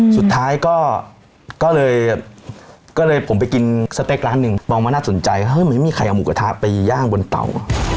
สเปกร้านหนึ่งมองมาน่าสนใจเฮ้ยมันไม่มีใครเอามูกกระทะไปย่างบนเตา